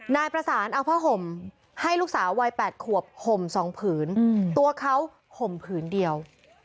นายประสานเอาผ้าห่มให้ลูกสาววัย๘ขวบห่ม๒ผืนตัวเขาห่มผืนเดียว